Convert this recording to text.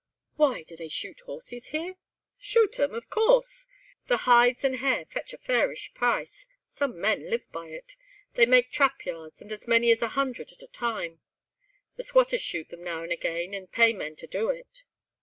"Why! do they shoot horses here?" "Shoot 'em, of course! The hides and hair fetch a fairish price. Some men live by it. They make trap yards, and get as many as a hundred at a time. The squatters shoot them now and again, and pay men to do it."